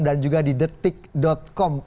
dan juga di detik com